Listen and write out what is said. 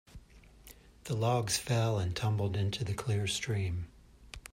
The logs fell and tumbled into the clear stream.